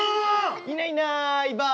いないいないばあ。